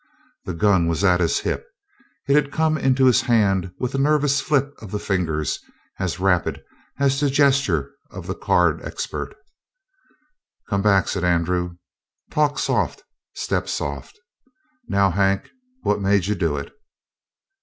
The gun was at his hip. It had come into his hand with a nervous flip of the fingers as rapid as the gesture of the card expert. "Come back," said Andrew. "Talk soft, step soft. Now, Hank, what made you do it?"